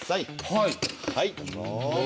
はい。